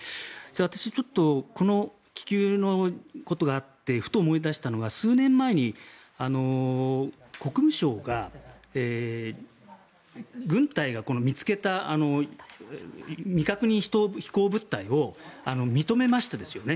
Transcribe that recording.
私、ちょっとこの気球のことがあってふと思い出したのが数年前に国務省が軍隊が見つけた未確認飛行物体を認めましたですよね。